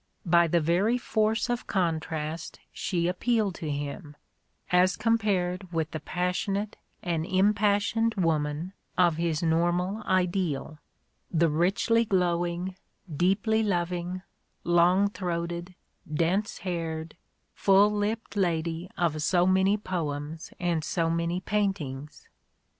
By the very force of contrast she appealed to him — as compared with the passion ate and impassioned woman of his normal ideal, the richly glowing, deeply loving, long throated, dense haired, full lipped lady of so many poems and so many paintings.